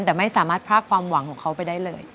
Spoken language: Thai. แต่ไม่สามารถพรากความหวังของเขาไปได้เลย